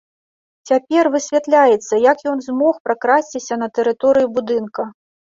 Цяпер высвятляецца, як ён змог пракрасціся на тэрыторыю будынка.